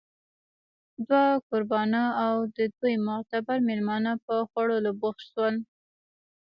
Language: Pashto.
دوه کوربانه او د دوی معتبر مېلمانه په خوړلو بوخت شول